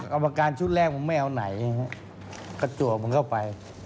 กรรมการชุดแรกผมไม่เอาไหนกระจวบมันเข้าไป